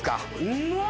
うまっ！